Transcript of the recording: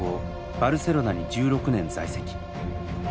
バルセロナに１６年在籍。